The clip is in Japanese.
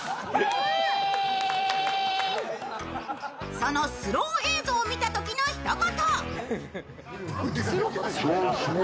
そのスロー映像を見たときにひと言。